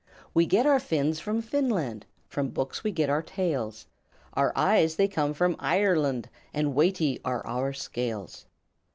"We get our fins from Finland, From books we get out tales; Our eyes they come from Eyerland And weighty are our scales.